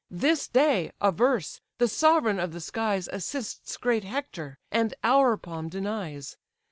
This day, averse, the sovereign of the skies Assists great Hector, and our palm denies.